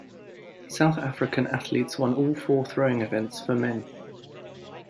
South African athletes won all four throwing events for men.